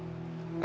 make geram kecewa